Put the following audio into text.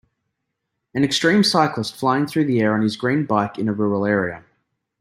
An extreme cyclist flying through the air on his green bike in a rural area